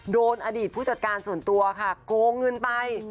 โดนอดีตผู้จัดการส่วนตัวค่ะโกงเงินไป